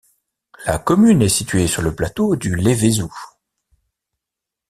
La commune est située sur le plateau du Lévézou.